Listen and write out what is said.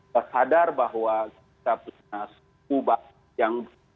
tersadar bahwa kita punya sebuah